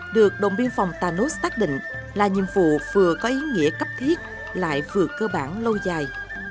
được đồng biên phòng tà nốt xác định là nhiệm vụ vừa có ý nghĩa cấp thiết lại vừa cơ bản lâu dài